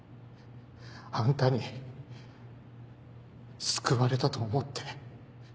あんたに救われたと思って。